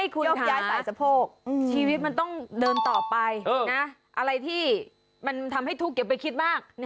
คุณค่ะชีวิตมันต้องเดินต่อไปนะอะไรที่มันทำให้ทุกข์เก็บไปคิดมาก